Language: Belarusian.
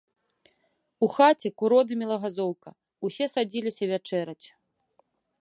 У хаце куродымела газоўка, усе садзіліся вячэраць.